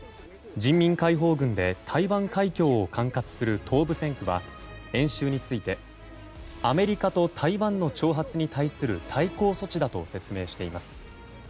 人民解放軍で台湾海峡を統括する東部戦区は、演習についてアメリカと台湾の挑発に対する対抗措置だと説明しています。